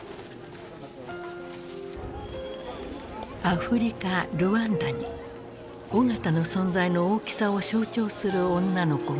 アフリカルワンダに緒方の存在の大きさを象徴する女の子がいる。